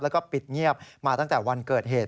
แล้วก็ปิดเงียบมาตั้งแต่วันเกิดเหตุ